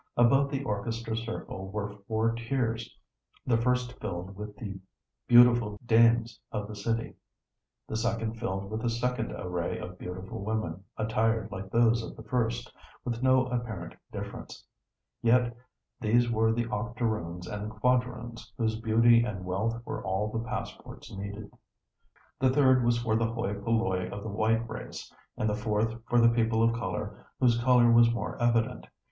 Above the orchestra circle were four tiers, the first filled with the beautiful dames of the city; the second filled with a second array of beautiful women, attired like those of the first, with no apparent difference; yet these were the octoroons and quadroons, whose beauty and wealth were all the passports needed. The third was for the hoi polloi of the white race, and the fourth for the people of color whose color was more evident.